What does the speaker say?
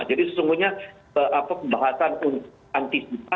jadi sesungguhnya pembahasan antisipasi kenaikan bbm ini sudah terjadi cukup lama